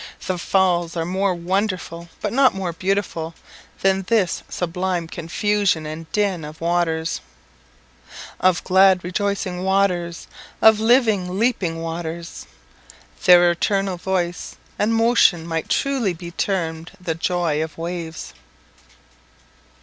The Falls are more wonderful, but not more beautiful, than this sublime confusion and din of waters "Of glad rejoicing waters, Of living leaping waters." Their eternal voice and motion might truly be termed the "joy of waves."